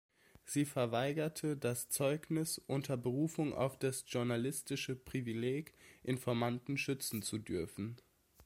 Sie verweigerte das Zeugnis unter Berufung auf das journalistische Privileg, Informanten schützen zu dürfen.